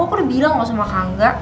aku udah bilang nggak usah makan ngga